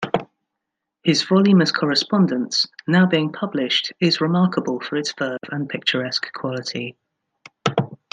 His voluminous correspondence, now being published, is remarkable for its verve and picturesque quality.